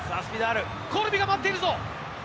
コルビが待っているぞ！